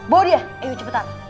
bawa dia ayo cepetan